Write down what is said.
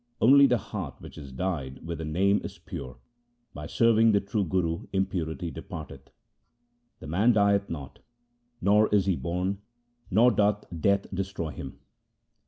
Only the heart which is dyed with the Name is pure. By serving the True Guru impurity departeth : Then man dieth not, nor is he born, nor doth Death destroy him.